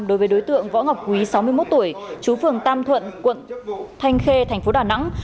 đối với đối tượng võ ngọc quý sáu mươi một tuổi chú phường tam thuận quận thanh khê thành phố đà nẵng